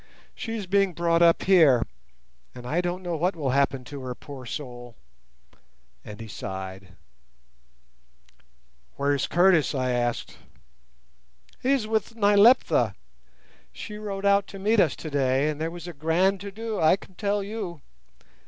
She is being brought up here, and I don't know what will happen to her, poor soul!" and he sighed. "Where is Curtis?" I asked. "He is with Nyleptha. She rode out to meet us today, and there was a grand to do, I can tell you.